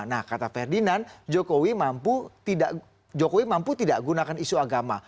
nah kata ferdinand jokowi mampu tidak gunakan isu agama